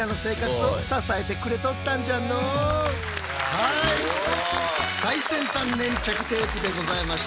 はい最先端粘着テープでございました。